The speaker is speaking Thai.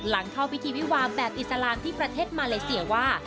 หลังเข้าพิธีวิวาแบบอิสลามที่ประเทศมาเลเซียว่า